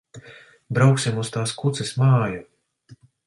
Brauksim uz tās kuces māju.